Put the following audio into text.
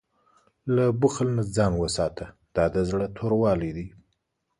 له بخل نه ځان وساته، دا د زړه توروالی دی.